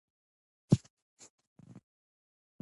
په ځینو شرایطو کې اصلي پښتو کلمه مناسبه ده،